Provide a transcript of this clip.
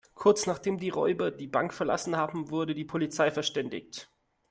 Kurz, nachdem die Räuber die Bank verlassen haben, wurde die Polizei verständigt.